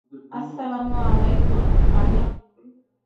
আসসালামু আলাইকুম, হামিদ গুল।